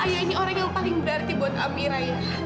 saya ini orang yang paling berarti buat amira ya